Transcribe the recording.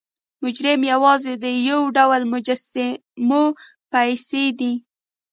مجرم یوازې د یو ډول مجسمو پسې دی.